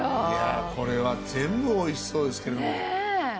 いやこれは全部おいしそうですけれども。